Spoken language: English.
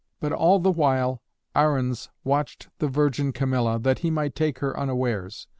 But all the while Arruns watched the virgin Camilla, that he might take her unawares.